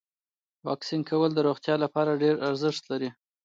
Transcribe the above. واکسین کول د روغتیا لپاره ډیر ارزښت لري.